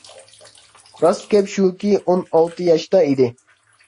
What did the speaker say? راست گەپ شۇكى ئون ئالتە ياشتا ئىدى.